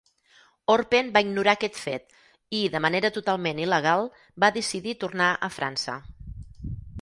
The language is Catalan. Orpen va ignorar aquest fet i, de manera totalment il·legal, va decidir tornar a França.